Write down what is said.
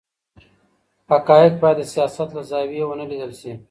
حقایق باید د سیاست له زاویې ونه لیدل سي.